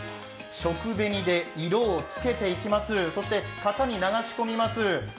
食紅で色をつけていきます、そして型に流し込みます。